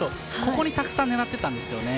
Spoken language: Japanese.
ここに、たくさん狙っていったんです。